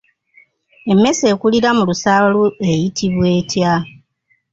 Emmese ekulira mu lusaalu eyitibwa etya?